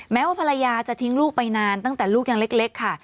แม้ว่าภรรยาจะทิ้งลูกไปนานตั้งแต่ลูกยังเล็กค่ะ